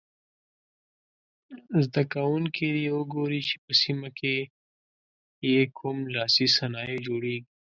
زده کوونکي دې وګوري چې په سیمه کې یې کوم لاسي صنایع جوړیږي.